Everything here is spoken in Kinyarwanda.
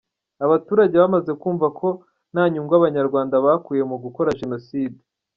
Abaturage bamaze kumva ko nta nyungu Abanyarwanda bakuye mu gukora Jenoside.